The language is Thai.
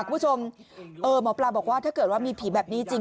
คุณผู้ชมหมอปลาบอกว่าถ้าเกิดว่ามีผีแบบนี้จริง